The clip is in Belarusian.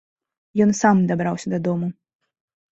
Ён сам дабраўся дадому.